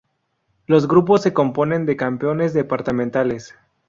Los grupos se componen de campeones departamentales.